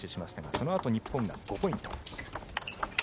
そのあと日本が５ポイント。